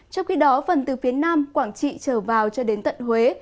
trong khi đó phần từ phía nam quảng trị trở vào cho đến tận huế